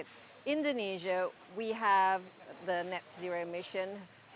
di indonesia kami memiliki emisi net zero